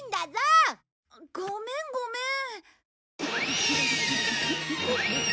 ごめんごめん。